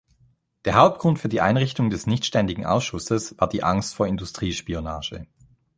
Der Hauptgrund für die Einrichtung des Nichtständigen Ausschusses war die Angst vor Industriespionage.